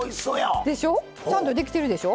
ちゃんとできてるでしょ。